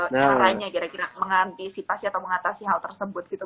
caranya kira kira mengantisipasi atau mengatasi hal tersebut gitu